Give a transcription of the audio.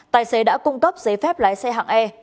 tài xế đã cung cấp giấy phép lái xe hạng e